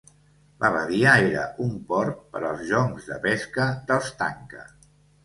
La badia era un port per als joncs de pesca dels tanka.